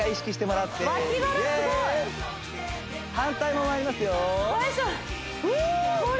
反対もまいりますよフー！